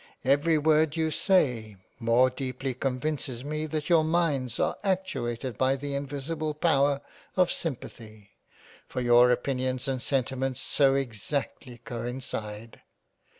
Every word you say more deeply convinces me that your Minds are actuated by the invisible power of simpathy, for your opinions and sentiments so exactly coincide.